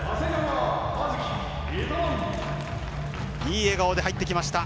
いい笑顔で入ってきました。